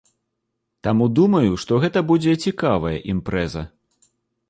Таму думаю, што гэта будзе цікавая імпрэза.